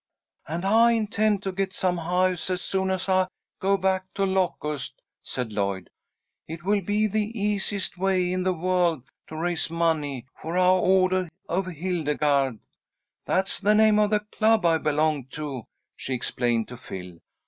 "And I intend to get some hives as soon as I go back to Locust," said Lloyd. "It will be the easiest way in the world to raise money for ou' Ordah of Hildegarde. That's the name of the club I belong to," she explained to Phil.